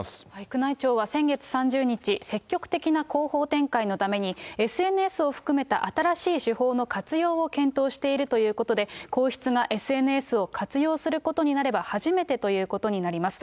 宮内庁は先月３０日、積極的な広報展開のために、ＳＮＳを含めた新しい手法の活用を検討しているということで、皇室がＳＮＳを活用することになれば初めてということになります。